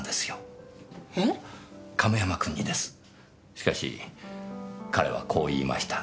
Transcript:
しかし彼はこう言いました。